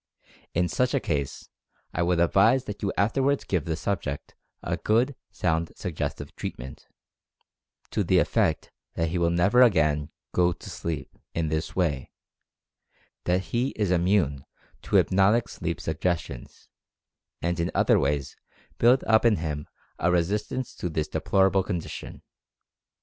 In such a case, I would advise that you afterward give the subject a good, sound suggestive treatment, to the effect that he will never again "go to sleep" in this way — that he is immune to hypnotic sleep suggestions — and in other ways build up in him a resistance to this deplorable condition.